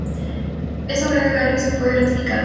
Eso "-agrega Garris- "fue gratificante"".